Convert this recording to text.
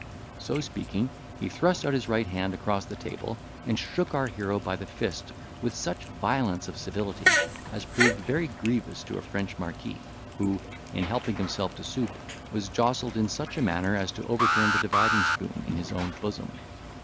So speaking, he thrust out his right hand across the table, and shook our hero by the fist, with such violence of civility, as proved very grievous to a French marquis, who, in helping himself to soup, was jostled in such a manner, as to overturn the dividing spoon in his own bosom.